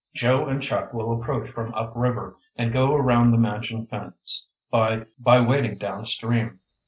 "Joe and Chuck will approach from upriver and go around the mansion fence by wading downstream.